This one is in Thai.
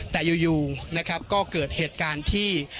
แต่อยู่นะครับก็เกิดเหตุการณ์ที่